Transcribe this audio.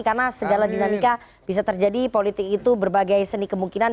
karena segala dinamika bisa terjadi politik itu berbagai seni kemungkinan